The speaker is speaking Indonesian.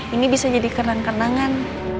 ini bisa jadi kenang kenangan